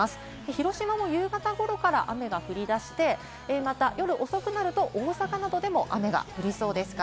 広島も夕方頃から雨が降り出して、また夜遅くなると、大阪などでも雨が降りそうです。